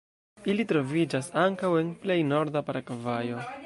Ili troviĝas ankaŭ en plej norda Paragvajo.